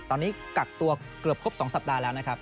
ตอนนี้กักตัวเกือบครบ๒สัปดาห์แล้วนะครับ